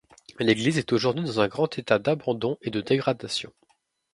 L'église est aujourd'hui dans un grand état d'abandon et de dégradation.